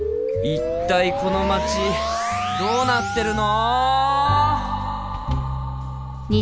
一体この街どうなってるの！？